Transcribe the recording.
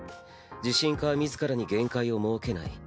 自信家は自らに限界を設けない。